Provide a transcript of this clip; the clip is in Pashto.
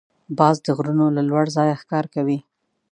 باز د غرونو له لوړ ځایه ښکار کوي